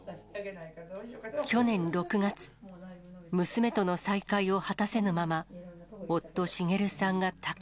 去年６月、娘との再会を果たせぬまま、夫、滋さんが他界。